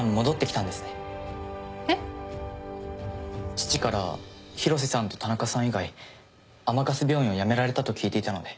父から広瀬さんと田中さん以外甘春病院を辞められたと聞いていたので。